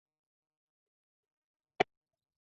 注册这个留言版并不代表一定要发表想法或意见。